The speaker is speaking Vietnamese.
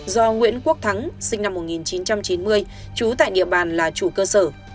do nguyễn quốc thắng sinh năm một nghìn chín trăm chín mươi trú tại địa bàn là chủ cơ sở